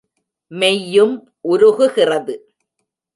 மெய் யும் உருகுகிறது.